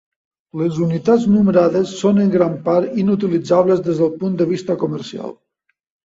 Les unitats numerades són en gran part inutilitzables des del punt de vista comercial.